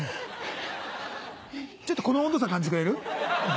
ちょっとこの温度差感じてくれる？